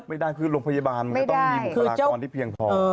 ไม่ได้คือโรงพยาบาลมันก็ต้องมีบุคลากรที่เพียงพอ